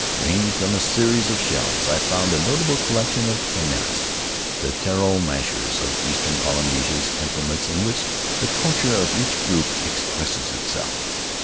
Ranged on a series of shelves, I found a notable collection of penus — the taro mashers of eastern Polynesia, implements in which the culture of each group expresses itself.